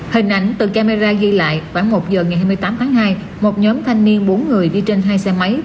hình ảnh từ camera ghi lại khoảng một giờ ngày hai mươi tám tháng hai một nhóm thanh niên bốn người đi trên hai xe máy